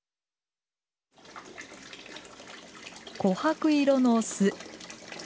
こはく色の酢。